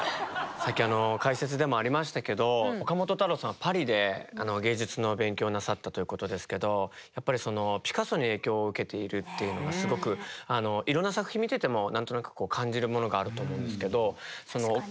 さっき解説でもありましたけど岡本太郎さんはパリで芸術の勉強をなさったということですけどやっぱりピカソに影響を受けているっていうのがすごくいろんな作品見てても何となく感じるものがあると思うんですけど岡本